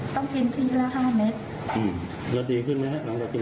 แล้วพี่มาลุมหนูสองคนเอาเชื้อมาติดสองคน